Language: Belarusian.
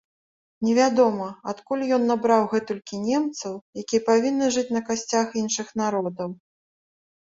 Невядома, адкуль ён набраў гэтулькі немцаў, якія павінны жыць на касцях іншых народаў.